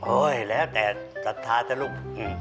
โอ๊ยแล้วแต่สัตว์ภาษณ์สิลูก